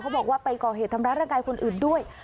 บอกว่าไปก่อเหตุทำร้ายร่างกายคนอื่นด้วย